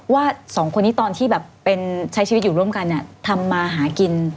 ว่าสองคนนี้ตอนที่แบบเป็นใช้ชีวิตอยู่ร่วมกันเนี่ยทำมาหากิน